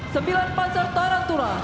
sembilan panzer tarantula